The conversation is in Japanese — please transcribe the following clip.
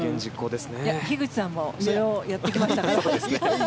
でも樋口さんもやってきましたから。